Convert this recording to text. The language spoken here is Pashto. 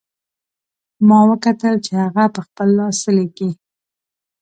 ما وکتل چې هغه په خپل لاس څه لیکي